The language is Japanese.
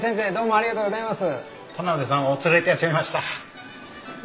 ありがとうございます。